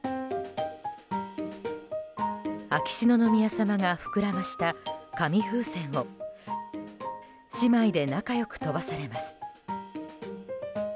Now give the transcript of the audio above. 秋篠宮さまが膨らました紙風船を姉妹で仲良く飛ばされます。